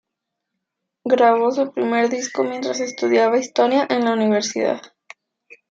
Grabó su primer disco mientras estudiaba Historia en la universidad.